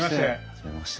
初めまして。